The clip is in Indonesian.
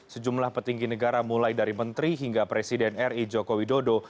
sejumlah petinggi negara mulai dari menteri hingga presiden ri joko widodo